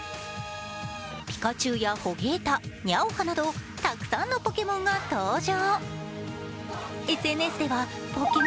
ピカチュウやホゲータ、ニャオハなどたくさんのポケモンが登場。